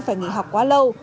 phải nghỉ học quá lâu